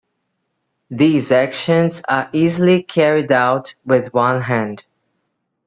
These actions are easily carried out with one hand.